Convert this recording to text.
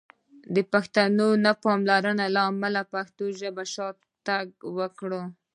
د پښتنو د نه پاملرنې له امله پښتو ژبې شاتګ وکړ!